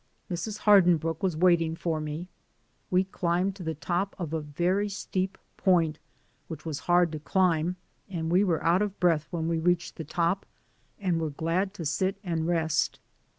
Mrs. Hardinbrooke was waiting for me ; we climbed to the top of a very steep point, which was hard to climb, and we were out of breath when we reached the top and were glad to sit and rest.